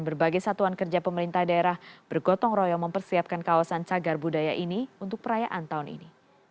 berbagai satuan kerja pemerintah daerah bergotong royong mempersiapkan kawasan cagar budaya ini untuk perayaan tahun ini